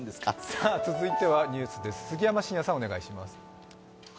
続いてはニュースです。